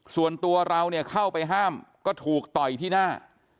ส่วนตัวเราเนี่ยเข้าไปห้ามก็ถูกต่อยที่หน้า